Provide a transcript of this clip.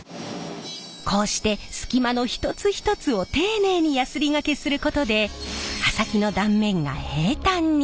こうして隙間の一つ一つを丁寧にヤスリがけすることで刃先の断面が平たんに。